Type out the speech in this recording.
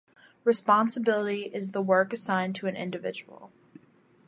Responsibility is the work assigned to an individual'.